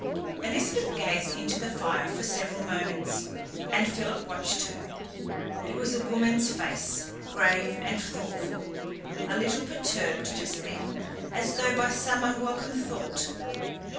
Elizabeth gazed into the fire for several moments, and Philip watched her. It was a woman's face, grave and thoughtful, a little perturbed just then, as though by some unwelcome thought.